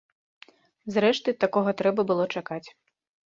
Зрэшты, такога трэба было чакаць.